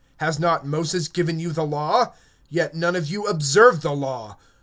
(19)Has not Moses given you the law, and none of you keeps the law?